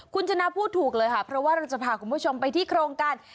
คุณชนะพูดถูกเลยค่ะเพราะว่าเราจะพาคุณผู้ชมไปที่โครงการ